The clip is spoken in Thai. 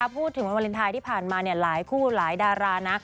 พูดถึงวันนี้ผ่านมาหลายคู่หลายดารานะ